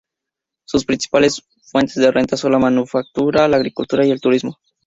Sus principales fuentes de renta son la manufactura, la agricultura y el turismo.